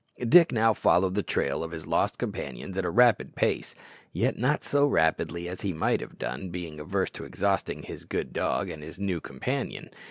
Dick now followed the trail of his lost companions at a rapid pace, yet not so rapidly as he might have done, being averse to exhausting his good dog and his new companion.